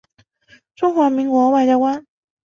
中华民国外交官。